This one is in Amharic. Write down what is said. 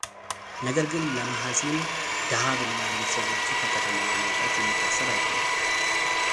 ነገር ግን ለማሃሲን ዳሃብ እና ለቤተሰቦቿ ከከተማዋ መውጣት የሚታሰብ አይደለም።